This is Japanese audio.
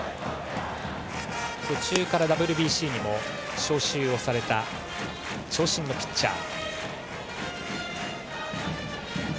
途中からＷＢＣにも招集された長身のピッチャー。